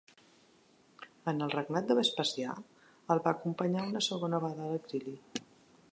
En el regnat de Vespasià el va acompanyar una segona vegada a l'exili.